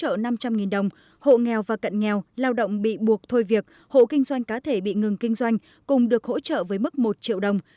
người có công với cách mạng được hỗ trợ năm trăm linh đồng hộ nghèo và cận nghèo lao động bị buộc thôi việc hộ kinh doanh cá thể bị ngừng kinh doanh cùng được hỗ trợ với mức một triệu đồng